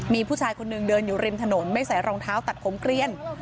มีผู้ชายคนนึงเดินอยู่ริมถนนไม่ใส่รองเท้าตัดผมเกลียน